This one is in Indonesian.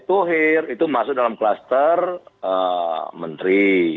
pak erick thohir itu masuk dalam kluster menteri